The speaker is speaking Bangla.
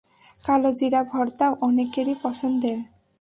কালোজিরা ভর্তাও অনেকেরই পছন্দের।